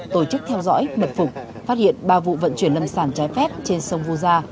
tổ chức theo dõi mật phục phát hiện ba vụ vận chuyển lâm sản trái phép trên sông vu gia